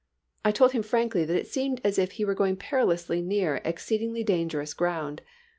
I told him frankly that it seemed as if he were going perilously near exceedingly dangerous ground.